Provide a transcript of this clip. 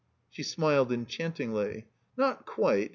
She smiled enchantingly. "Not quite.